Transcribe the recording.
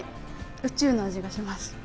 宇宙の味がします。